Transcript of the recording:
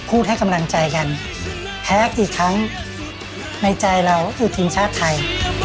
พูดให้กำลังใจกันแพ็คอีกครั้งในใจเราอยู่ทีมชาติไทย